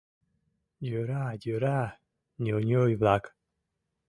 — Йӧра, йӧра, ньоньой-влак!